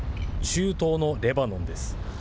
中東のレバノンです。